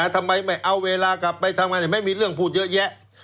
ทำไมไม่เอาเวลากลับไปทำงานไม่มีเรื่องพูดเยอะแยะ